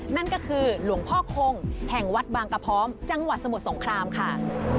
นั่นก็คือหลวงพ่อคงแห่งวัดบางกระพร้อมจังหวัดสมุทรสงครามค่ะ